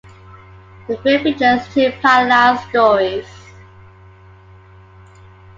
The film features two parallel stories.